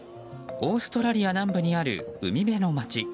オーストラリア南部にある海辺の街。